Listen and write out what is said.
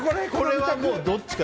これはどっちか。